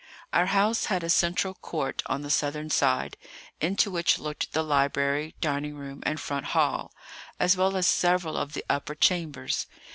Our house had a central court on the southern side, into which looked the library, dining room, and front hall, as well as several of the upper chambers.